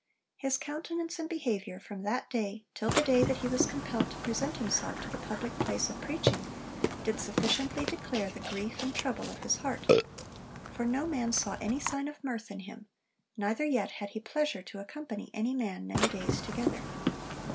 His countenance and behaviour, from that day till the day that he was compelled to present himself to the public place of preaching, did sufficiently declare the grief and trouble of his heart; for no man saw any sign of mirth in him, neither yet had he pleasure to accompany any man, many days together.'